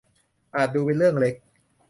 อาจดูเป็นเรื่องเล็ก